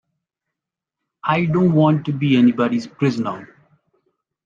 I don’t want to be anybody’s prisoner.